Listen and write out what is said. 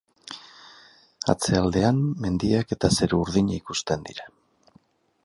Atzealdean, mendiak eta zeru urdina ikusten dira.